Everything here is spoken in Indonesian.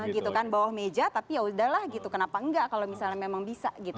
gitu kan bawah meja tapi yaudahlah gitu kenapa enggak kalau misalnya memang bisa gitu